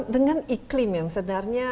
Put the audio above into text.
dengan iklim yang sedarnya